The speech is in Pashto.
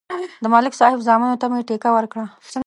د ملک صاحب زامنو ته مې ټېکه ورکړه